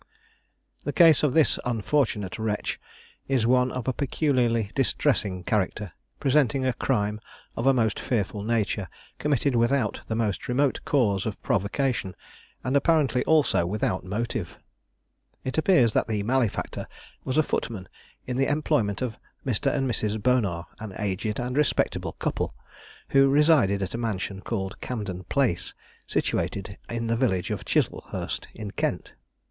The case of this unfortunate wretch is one of a peculiarly distressing character, presenting a crime of a most fearful nature, committed without the most remote cause of provocation, and apparently also without motive. It appears that the malefactor was a footman in the employment of Mr. and Mrs. Bonar, an aged and respectable couple, who resided at a mansion called Camden Place, situated in the village of Chiselhurst, in Kent.